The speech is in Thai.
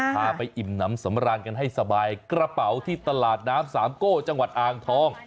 พาไปอิ่มน้ำสำราญกันให้สบายกระเป๋าที่ตลาดน้ำสามโก้จังหวัดอ่างทอง